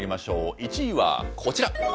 １位はこちら。